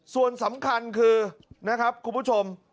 ส่วนสำคัญคือนะครับคุณผู้ชม